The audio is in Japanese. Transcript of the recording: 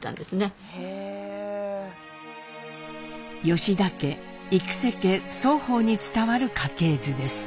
吉田家幾家双方に伝わる家系図です。